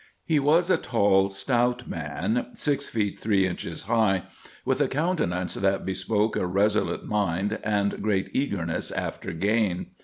He was a tall stout man, six feet three inches high, with a countenance that bespoke a resolute mind, and great eagerness after gain.